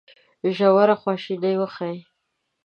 ژوره خواشیني وښيي.